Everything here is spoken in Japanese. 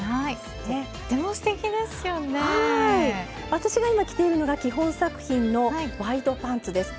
私が今着ているのが基本作品のワイドパンツです。